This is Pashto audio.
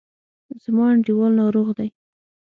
زما انډیوال ناروغ دی.